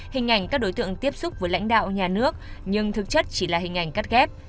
hình ảnh các đối tượng tiếp xúc với lãnh đạo nhà nước nhưng thực chất chỉ là hình ảnh cắt ghép